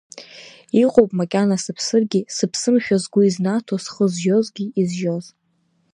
Иҟоуп макьана сыԥсыргьы сыԥсымшәа згәы изнаҭо схы зжьозгьы изжьоз!